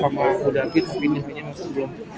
sama udapi tapi ini aja masih belum